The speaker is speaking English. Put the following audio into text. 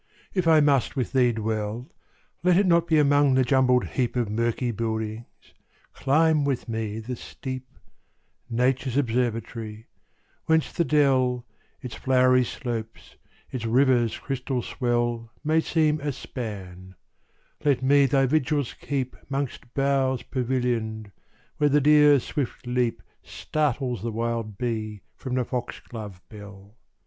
if I must with thee dwell, Let it not be among the jumbled heap Of murky buildings; climb with me the steep, Nature's observatory whence the dell, Its flowery slopes, its river's crystal swell, May seem a span; let me thy vigils keep 'Mongst boughs pavillion'd, where the deer's swift leap Startles the wild bee from the fox glove bell.